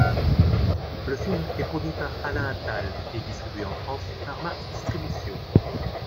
Le film est produit par Alain Attal et distribué en France par Mars Distribution.